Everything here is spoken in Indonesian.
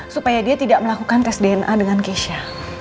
supaya dia tidak melakukan tes dna dengan keisha